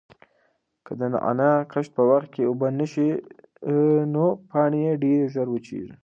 که د نعناع کښت په وخت اوبه نشي نو پاڼې یې ډېرې ژر وچیږي.